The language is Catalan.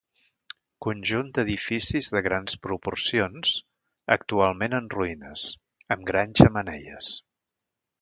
Conjunt d'edificis de grans proporcions, actualment en ruïnes, amb grans xemeneies.